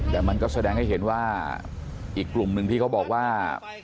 แต่มันก็แสดงให้เห็นว่าอีกกลุ่มหนึ่งที่เขาบอกว่า